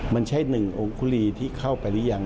มันใช่หนึ่งองคุรีที่เข้าไปหรือยัง